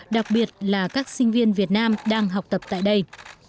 đặc biệt là các sinh viên việt nam đang học tập tại đây